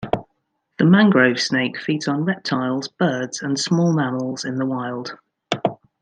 The mangrove snake feeds on reptiles, birds, and small mammals in the wild.